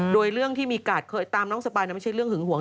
โดยเรื่องที่มีกาดเคยตามน้องสปายไม่ใช่เรื่องหึงหวง